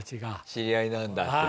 知り合いなんだって。